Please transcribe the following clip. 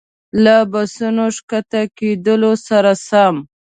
له بسونو ښکته کېدلو سره سم.